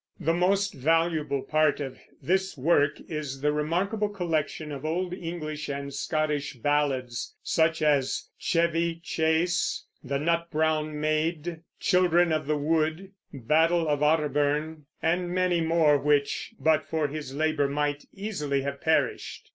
The most valuable part of this work is the remarkable collection of old English and Scottish Ballads, such as "Chevy Chase," the "Nut Brown Mayde," "Children of the Wood," "Battle of Otterburn," and many more, which but for his labor might easily have perished.